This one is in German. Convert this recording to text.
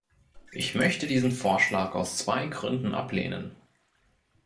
Ich möchte diesen Vorschlag aus zwei Gründen ablehnen.